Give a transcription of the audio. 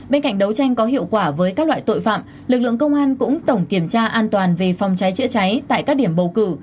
bên cạnh đấu tranh có hiệu quả với các loại tội phạm lực lượng công an cũng tổng kiểm tra an toàn về phòng cháy chữa cháy tại các điểm bầu cử